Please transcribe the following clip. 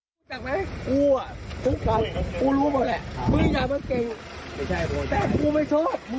มึงอย่าให้กูโมโหนะมึงอย่าเก็บอะไรมันตายไปล่ะ